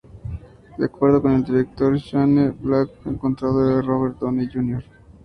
De acuerdo con el director Shane Black, el contrato de Robert Downey Jr.